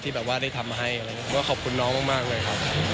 ที่ได้ทำมาให้ขอบคุณน้องมากด้วยครับ